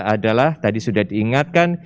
adalah tadi sudah diingatkan